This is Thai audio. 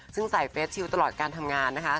ซึ่งใส่เฟสชิลตลอดการทำงานนะคะ